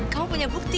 kamu punya bukti